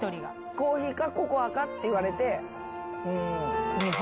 コーヒーかココアかって言われてうん。